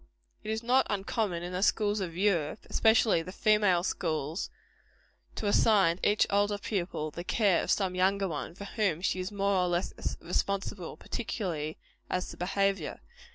It is not uncommon in the schools of Europe, especially the female schools, to assign to each older pupil the care of some younger one, for whom she is more or less responsible, particularly as to behaviour.